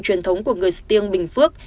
truyền thống của người sơ tiêng bình phước